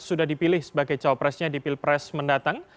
sudah dipilih sebagai cawapresnya di pilpres mendatang